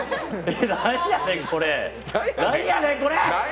なんやねんこれ！